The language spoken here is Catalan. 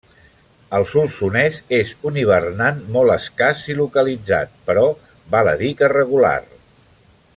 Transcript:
Al Solsonès és un hivernant molt escàs i localitzat però val a dir que regular.